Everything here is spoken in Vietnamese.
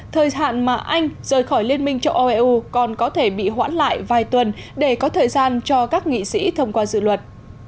thời hạn mà anh rời khỏi liên minh châu âu eu còn có thể bị hoãn lại vài tuần để có thời gian cho các nghị sĩ thông qua dự luật